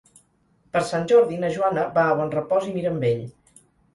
Per Sant Jordi na Joana va a Bonrepòs i Mirambell.